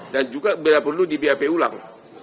dan juga berapa dulu di bap ulang